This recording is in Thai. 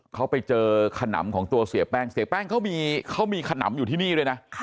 เขาไปเจอขนำของตัวเสียแป้งเสียแป้งเขามีขนำอยู่ที่นี่ด้วยนะ